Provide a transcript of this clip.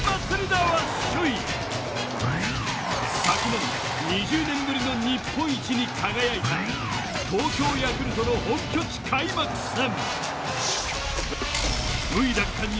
昨年２０年ぶりの日本一に輝いた東京ヤクルトの本拠地開幕戦。